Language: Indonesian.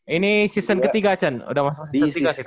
tujuh puluh dua ini season ketiga cen udah masuk season ketiga kita